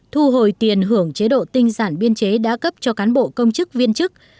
thu hồi tiền hưởng chế độ tinh giản biên chế đã cấp cho cán bộ công chức viên chức